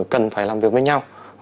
cần phải làm việc với nhau